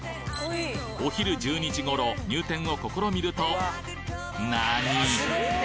お昼１２時頃入店を試みるとなに！？